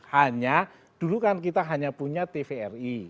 hanya dulu kan kita hanya punya tvri